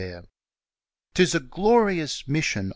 'Tis a glorious mission.